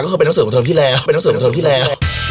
ก็เก่ามันเพิ่งทางเสิร์ฟทางเทอมที่แล้ว